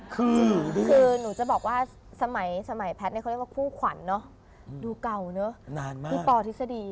คือหนูจะบอกว่าสมัยแพทย์เขาเรียกว่าคู่ขวัญดูเก่าพี่ปอร์ทิศดี